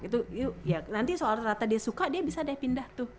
itu ya nanti soal rata dia suka dia bisa deh pindah tuh